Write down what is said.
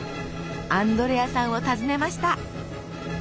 アンドレアさんを訪ねました。